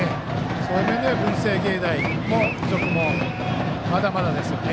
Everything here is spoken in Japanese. そういう面では文星芸大付属もまだまだですよね。